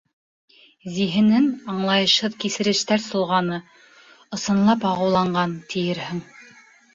Зиһенен аңлайышһыҙ кисерештәр солғаны; ысынлап ағыуланған, тиерһең.